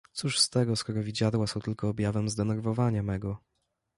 "Cóż z tego, skoro widziadła są tylko objawem zdenerwowania mego."